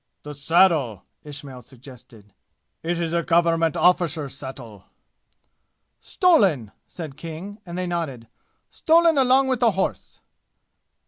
"The saddle?" Ismail suggested. "It is a government arrficer's saddle." "Stolen!" said King, and they nodded. "Stolen along with the horse!"